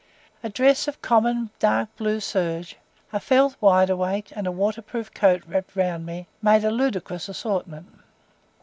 A dress of common dark blue serge, a felt wide awake, and a waterproof coat wrapped round me, made a ludicrous assortment.